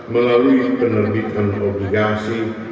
melalui penerbitan obligasi